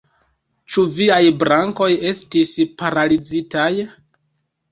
Ĉu viaj brakoj estis paralizitaj?